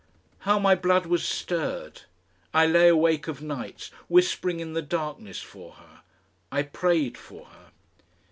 How my blood was stirred! I lay awake of nights whispering in the darkness for her. I prayed for her.